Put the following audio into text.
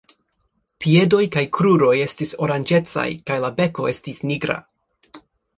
Piedoj kaj kruroj estis oranĝecaj kaj la beko estis nigra.